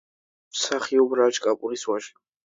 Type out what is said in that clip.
მსახიობ რაჯ კაპურის ვაჟი.